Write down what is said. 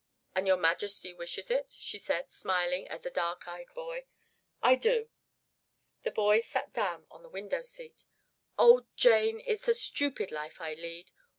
"An your Majesty wishes it," she said, smiling at the dark eyed boy. "I do." The boy sat down on the window seat. "Oh, Jane, it's a stupid life I lead.